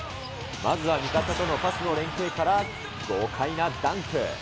まずは味方とのパスの連携から豪快なダンク。